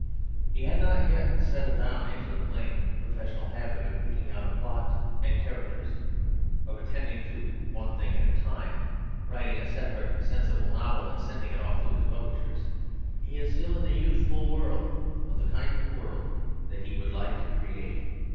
He had not yet settled down into the plain, professional habit of picking out a plot and characters, of attending to one thing at a time, of writing a separate, sensible novel and sending it off to his publishers. He is still in the youthful whirl of the kind of world that he would like to create.